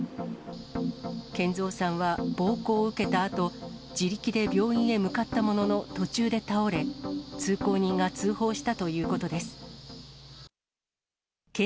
賢蔵さんは暴行を受けたあと、自力で病院へ向かったものの、途中で倒れ、通行人が通報したということです。